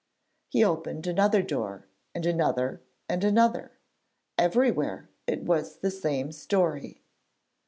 He opened another door, and another and another; everywhere it was the same story.